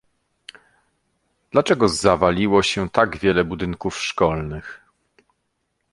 dlaczego zawaliło się tak wiele budynków szkolnych?